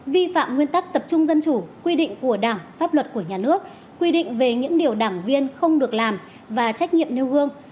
vi phạm nguyên tắc tập trung dân chủ quy định của đảng pháp luật của nhà nước quy định về những điều đảng viên không được làm và trách nhiệm nêu gương